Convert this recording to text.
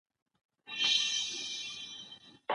خاوند تر طلاق وروسته کوم عواقب سنجوي؟